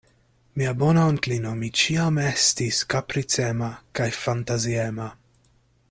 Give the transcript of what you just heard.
Mia bona onklino, mi ĉiam estis kapricema kaj fantaziema.